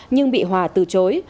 nhưng bị hòa từ chối